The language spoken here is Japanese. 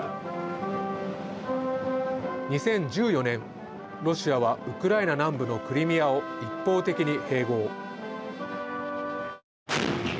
２０１４年、ロシアはウクライナ南部のクリミアを一方的に併合。